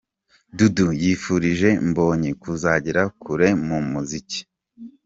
Dudu yifurije Mbonyi kuzagera kure mu muziki.